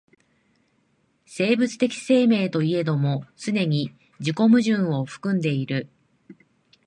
生物的生命といえども既に自己矛盾を含んでいる。